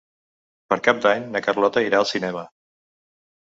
Per Cap d'Any na Carlota irà al cinema.